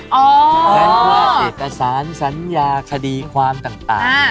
เพราะว่าเอกสารสัญญาคดีความต่าง